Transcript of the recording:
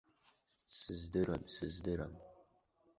Сыздырам, сыздырам.